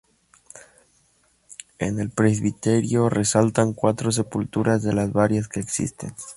En el Presbiterio resaltan cuatro sepulturas de las varias que existen.